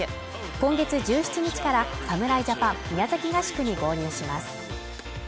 今月１７日から侍ジャパン宮崎合宿に合流します